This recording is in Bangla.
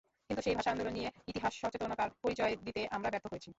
কিন্তু সেই ভাষা আন্দোলন নিয়ে ইতিহাস-সচেতনতার পরিচয় দিতে আমরা ব্যর্থ হয়েছি।